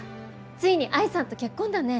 ついに愛さんと結婚だね。